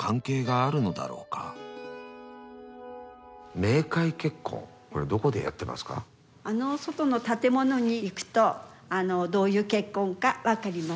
あの外の建物に行くとどういう結婚か分かります。